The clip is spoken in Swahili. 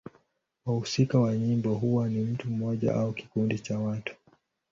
Wahusika wa nyimbo huwa ni mtu mmoja au kikundi cha watu.